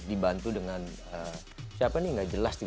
dibantu dengan siapa nih gak jelas sih